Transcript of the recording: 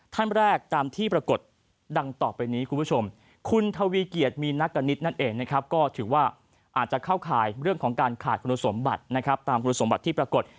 ท่านแรกตามที่ปรากฏดังต่อไปนี้คุณผู้ชมคุณทวีเกียจมีนักกณิตนั่นเองนะครับก็ถือว่าอาจจะเข้าข่ายเรื่องของการขาดคุณสมบัตินะครับตามคุณสมบัติที่ปรากฏ